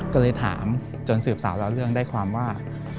ก็เลยถามจนสืบสาวเล่าเรื่องได้ความว่า